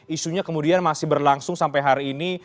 isunya kemudian masih berlangsung sampai hari ini